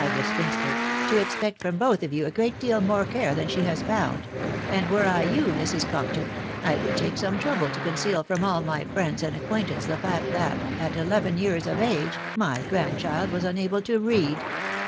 the spinatec, " to expect from, both of you a great deal more care than she has found*; and nam I« you, Mta. Compton; I wouiditafce some trouble to oonceal'from all ray friend* and aoquatntance the fact that, at eleven < year* of»agey my grandchild was> unable to read."